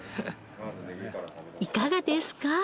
いかがですか？